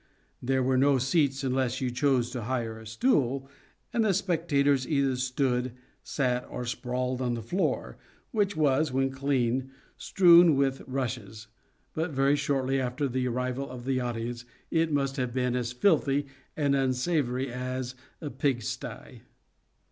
There were no seats unless you chose to hire a stool, and the spectators either stood, sat, or sprawled on the floor, which was, when clean, strewn with rushes, but very shortly after the arrival of the audience it must have been as filthy and unsavoury as a pig sty.